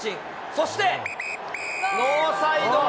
そしてノーサイド。